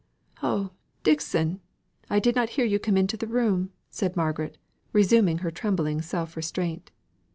"Oh, Dixon! I did not hear you come into the room!" said Margaret, resuming her trembling self restraint.